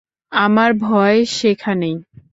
আমার ভয় সেখানেই।